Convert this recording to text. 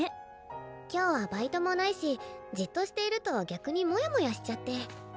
今日はバイトもないしじっとしていると逆にモヤモヤしちゃって。